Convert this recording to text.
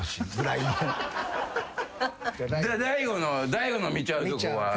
大悟の見ちゃうとこは？